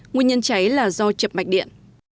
nguyên nhân cháy là do chập mạch điện